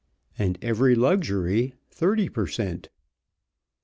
and every luxury thirty per cent.